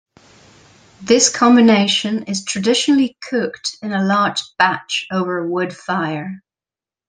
This combination is traditionally cooked in a large batch over a wood fire.